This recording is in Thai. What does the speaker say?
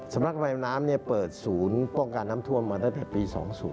สำนักการระบายน้ำเปิดศูนย์ป้องกัดน้ำทวนมาตั้งแต่ปี๒๐๒๐